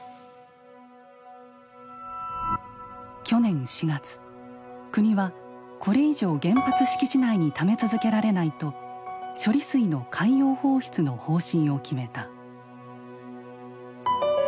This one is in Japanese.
去年４月国はこれ以上原発敷地内にため続けられないと処理水の海洋放出の方針を決めた。